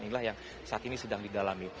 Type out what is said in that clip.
inilah yang saat ini sedang didalami